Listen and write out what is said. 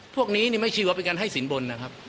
พวกนี้เนี่ยไม่ชิบว่าไปกันให้สินบนนะครับ